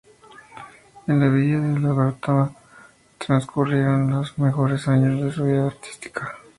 En la Villa de La Orotava transcurrieron los mejores años de su vida artística.